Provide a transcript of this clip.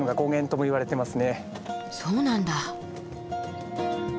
そうなんだ。